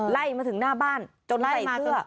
ไล่มาถึงหน้าบ้านจนไล่มาเพื่อ